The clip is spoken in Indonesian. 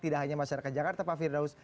tidak hanya masyarakat jakarta pak firdaus